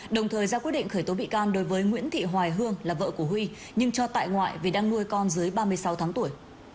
đồng thời ra quyết định khởi tố bị can đối với nguyễn thị hoài hương là vợ của huy nhưng cho tại ngoại vì đang nuôi con dưới ba mươi sáu tháng tuổi